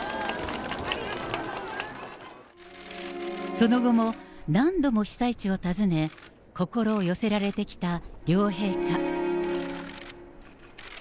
その後も何度も被災地を訪ね、心を寄せられてきた両陛下。